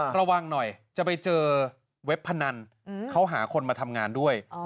ระวังหน่อยจะไปเจอเว็บพนันเขาหาคนมาทำงานด้วย